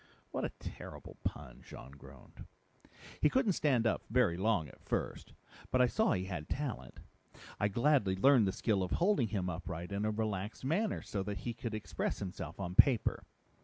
"What a terrible pun," Jean groaned. "He couldn't stand up very long at first. But I saw he had talent. I gladly learned the skill of holding him upright in a relaxed manner so that he could express himself on paper.